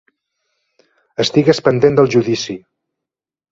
Estigues pendent del judici.